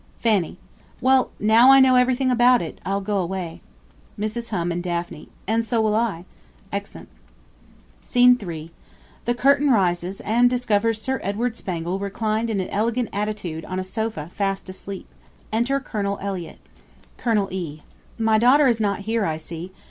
Fanny. Well, now I know everything about it, I'll go away. Mrs. Hum. and Daphne. And so will I. [Exeunt. SCENE III. The curtain rises, and discovers SIR EDWARD SPANGLE reclined in an elegant attitude on a sofa fast asleep. Enter COL. ELLIOTT. Col. E. My daughter is not here, I see.